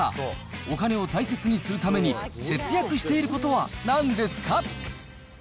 お金を大切にするために、節約していることはなんですか？